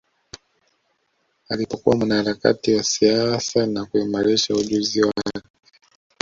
Alipokuwa mwanaharakati wa siasa na kuimarisha ujuzi wake